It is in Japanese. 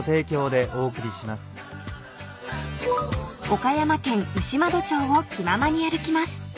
［岡山県牛窓町を気ままに歩きます］